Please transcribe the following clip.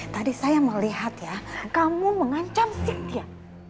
tadi saya melihat ya kamu mengancam sintia